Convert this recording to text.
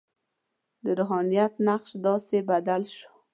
د روحانیت نقش داسې بدل شو.